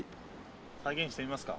再現してみますか？